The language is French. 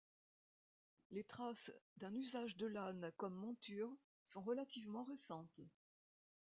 Les traces d'un usage de l'âne comme monture sont relativement récentes.